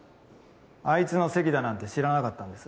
あいつの席だなんて知らなかったんです。